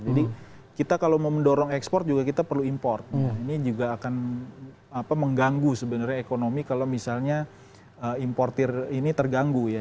jadi kita kalau mau mendorong ekspor juga kita perlu import ini juga akan mengganggu sebenarnya ekonomi kalau misalnya importer ini terganggu ya